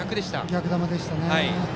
逆球でしたね。